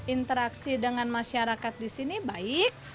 interaksi dengan masyarakat disini baik